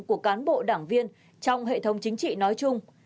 của cán bộ đảng viên trong hệ thống chính trị nói chung